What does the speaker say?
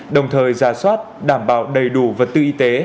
đồng thời ra soát đảm bảo đầy đủ vật tư y tế